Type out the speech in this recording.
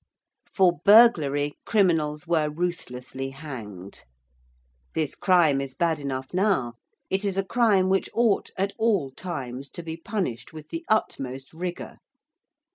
For burglary criminals were ruthlessly hanged. This crime is bad enough now; it is a crime which ought at all times to be punished with the utmost rigour.